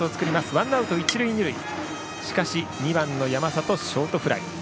ワンアウト、一塁二塁でしたが山里はショートフライ。